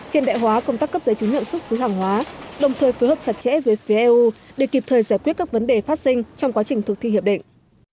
hiện đại hóa công tác cấp giấy chứng nhận xuất xứ hàng hóa đồng thời phối hợp chặt chẽ với phía eu để kịp thời giải quyết các vấn đề phát sinh trong quá trình thực thi hiệp định